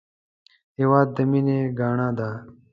هېواد د مینې ګاڼه ده